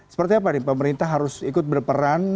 seperti apa nih pemerintah harus ikut berperan